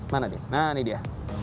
mana nih nah ini dia